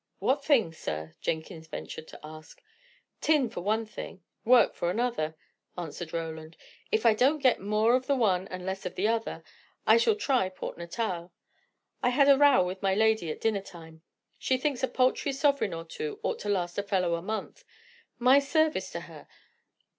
"What things, sir?" Jenkins ventured to ask. "Tin, for one thing; work for another," answered Roland. "If I don't get more of the one, and less of the other, I shall try Port Natal. I had a row with my lady at dinner time. She thinks a paltry sovereign or two ought to last a fellow for a month. My service to her!